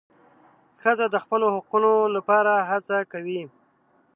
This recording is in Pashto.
ښځه د خپلو حقونو لپاره هڅه کوي.